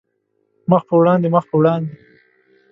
مخ په وړاندې، مخ په وړاندې